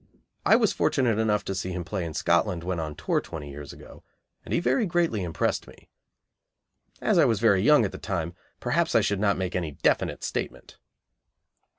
I was fortunate enough to see him play in Scotland when on tour twenty years ago, and he very greatly impressed me. As I was very young at the time, perhaps I should not make any definite statement.